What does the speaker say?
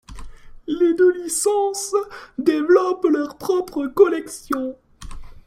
Les deux licences développent leurs propres collections.